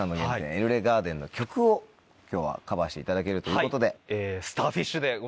ＥＬＬＥＧＡＲＤＥＮの曲を今日はカバーしていただけるということで。